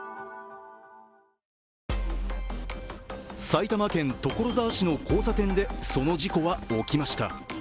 埼玉県所沢市の交差点で、その事故は起きました。